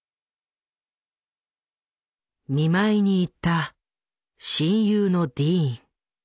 見舞いに行った親友のディーン。